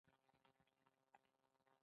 افغانستان يو ډير اوږد تاريخ لري.